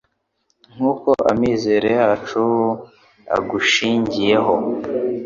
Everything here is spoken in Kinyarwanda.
nk’uko amizero yacu agushingiyeho